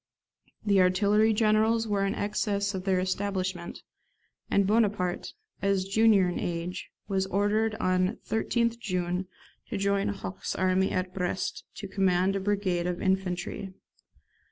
The artillery generals were in excess of their establishment, and Bonaparte, as junior in age, was ordered on 13th June to join Hoche's army at Brest to command a brigade of infantry.